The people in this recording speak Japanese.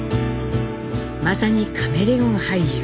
まさにカメレオン俳優。